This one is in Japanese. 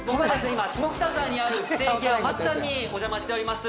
今下北沢にあるステーキ屋松さんにお邪魔しております